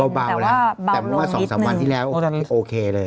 เบาเบาแล้วแต่ว่าเบาลงนิดหนึ่งแต่ว่าสองสามวันที่แล้วโอเคเลย